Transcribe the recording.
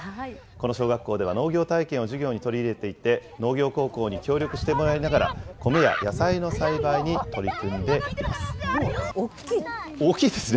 この小学校では、農業体験を授業に取り入れていて、農業高校に協力してもらいながら、米や野菜の栽培に取り組んでいます。